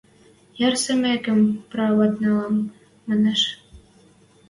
Йӓрсӹмӹкем прават нӓлӓм», – манеш...